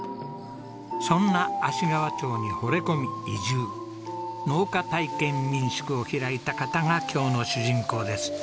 そんな芦川町にほれ込み移住農家体験民宿を開いた方が今日の主人公です。